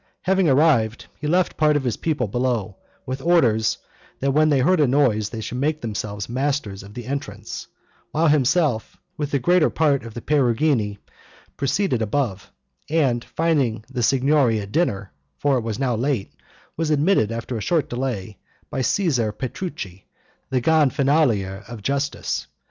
Having arrived, he left part of his people below, with orders that when they heard a noise they should make themselves masters of the entrance, while himself, with the greater part of the Perugini, proceeded above, and finding the Signory at dinner (for it was now late), was admitted after a short delay, by Cesare Petrucci, the Gonfalonier of Justice.